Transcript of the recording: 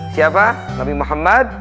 siapa nabi muhammad